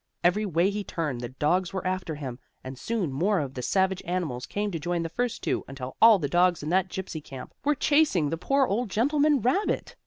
Every way he turned the dogs were after him, and soon more of the savage animals came to join the first two, until all the dogs in that Gypsy camp were chasing the poor old gentleman rabbit.